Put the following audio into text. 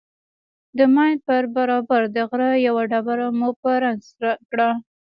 د ماين پر برابر د غره يوه ډبره مو په رنگ سره کړه.